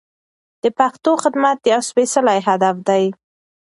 د پښتو خدمت یو سپېڅلی هدف دی.